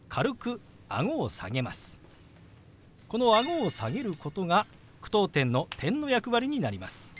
このあごを下げることが句読点の「、」の役割になります。